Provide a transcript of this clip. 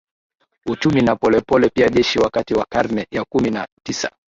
uchumi na polepole pia jeshi Wakati wa karne ya kumi na tisa